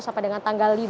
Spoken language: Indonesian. sampai dengan tanggal lima